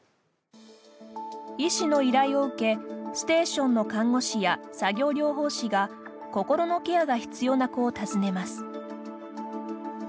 医師の依頼を受けステーションの看護師や作業療法士が心のケアが必要な子を訪ねます。